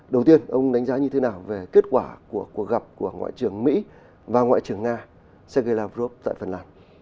đầu tiên ông đánh giá như thế nào về kết quả của cuộc gặp của ngoại trưởng mỹ và ngoại trưởng nga sergei lavrov tại phần lan